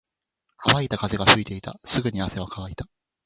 乾いた風が吹いていた。すぐに汗は乾いた。